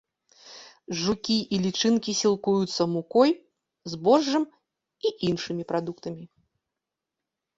Жукі і лічынкі сілкуюцца мукой, збожжам і іншымі прадуктамі.